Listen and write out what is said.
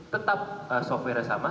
tetap software nya sama